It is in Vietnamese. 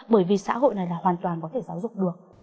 bởi vì xã hội này là hoàn toàn có thể giáo dục được